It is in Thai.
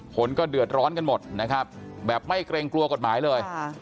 คนก็เดือดร้อนกันหมดนะครับแบบไม่เกรงกลัวกฎหมายเลย